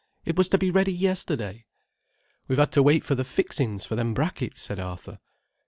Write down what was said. It was to be ready yesterday." "We've had to wait for the fixings for them brackets," said Arthur.